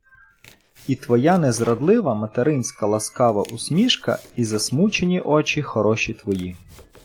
І твоя незрадлива материнська ласкава усмішка, і засмучені очі хороші твої